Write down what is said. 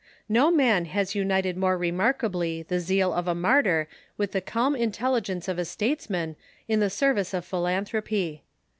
"No man has united more remarkably the zeal of a martyr with the calm intelligence of a statesman in the service of philanthro py."